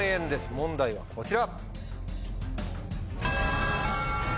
問題はこちら。